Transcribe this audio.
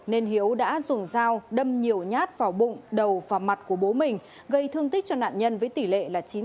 nên hiếu đã dùng dao đâm nhiều nhát vào bụng đầu và mặt của bố mình gây thương tích cho nạn nhân với tỷ lệ là chín mươi